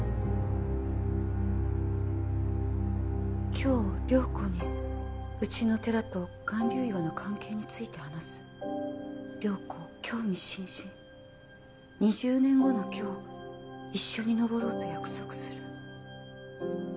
「今日涼子にうちの寺と巌流岩の関係について話す」「涼子興味津々」「２０年後の今日一緒に登ろうと約束する」